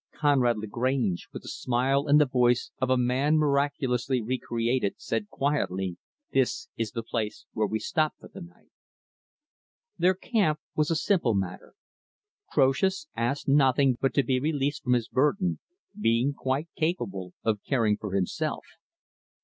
Conrad Lagrange, with the smile and the voice of a man miraculously recreated, said quietly, "This is the place where we stop for the night." Their camp was a simple matter. Croesus asked nothing but to be released from his burden being quite capable of caring for himself.